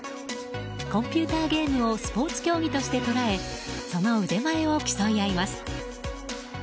コンピューターゲームをスポーツ競技として捉えその腕前を競い合います。